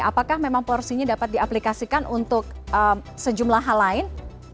apakah memang porsinya dapat diaplikasikan untuk sejumlah hal lain